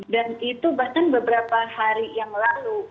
dan itu bahkan beberapa hari yang lalu